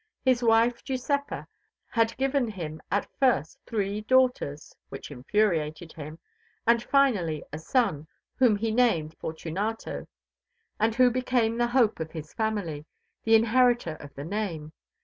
His wife Giuseppa had given him at first three daughters (which infuriated him), and finally a son, whom he named Fortunato, and who became the hope of his family, the inheritor of the name.